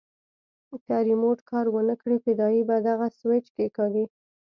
که ريموټ کار ونه کړي فدايي به دغه سوېچ کښېکاږي.